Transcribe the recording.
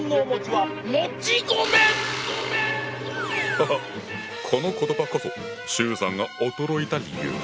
ハハッこの言葉こそ周さんが驚いた理由。